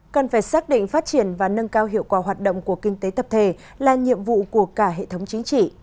cần phải xác định phát triển và nâng cao hiệu quả hoạt động của kinh tế tập thể là nhiệm vụ của cả hệ thống chính trị